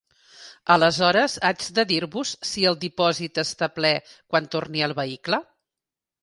Aleshores haig de dir-vos si el dipòsit està ple quan torni el vehicle?